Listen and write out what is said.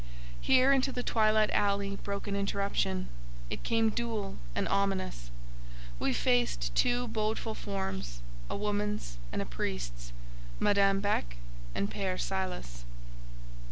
Here into the twilight alley broke an interruption: it came dual and ominous: we faced two bodeful forms—a woman's and a priest's—Madame Beck and Père Silas.